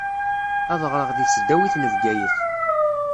Ad ɣṛeɣ di tesdawit n Bgayet.